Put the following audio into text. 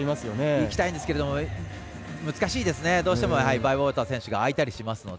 いきたいんですけど難しいですねどうしてもバイウォーター選手があいたりしますので。